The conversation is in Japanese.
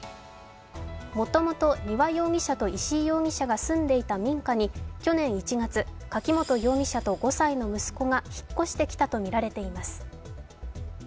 もともと丹羽容疑者と石井容疑者が住んでいた民家に去年１月、柿本容疑者と５歳の息子が引っ越してきたとみられています。